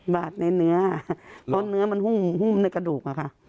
บาดในเนื้อเพราะเนื้อมันหุ้มในกระดูกอะค่ะ